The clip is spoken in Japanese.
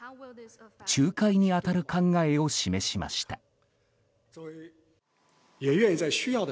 仲介に当たる考えを示しました。